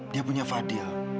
dia punya fadil